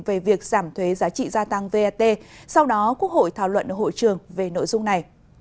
về việc giảm thuế giá trị gia tăng vat sau đó quốc hội thảo luận ở hội trường về nội dung này